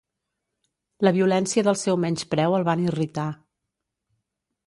La violència del seu menyspreu el van irritar.